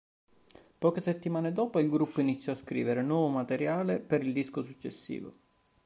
Poche settimane dopo il gruppo iniziò a scrivere nuovo materiale per il disco successivo.